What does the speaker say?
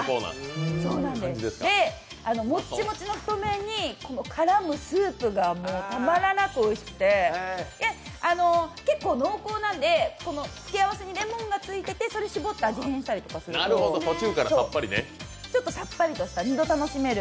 もっちもちの太麺に絡むスープがたまらなくおいしくて、結構、濃厚なんで、付け合わせにレモンが付いててそれ搾って味変したりすると、ちょっとさっぱりとした２度楽しめる。